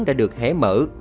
đã được hé mở